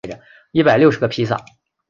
一百六十个披萨